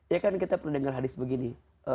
ya kan kita pernah dengar hadis begini